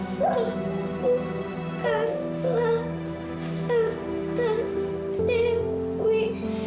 sembukalah tantang dewi